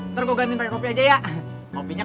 ntar gue ganti pakai kopi aja yaa